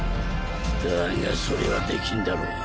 だがそれはできんだろう。